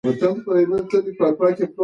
باغچه کور ته هوا ورکوي.